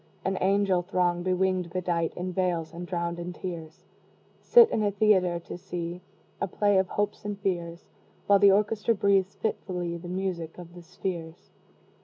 An angel throng, bewinged, bedight In veils, and drowned in tears, Sit in a theatre, to see A play of hopes and fears, While the orchestra breathes fitfully The music of the spheres.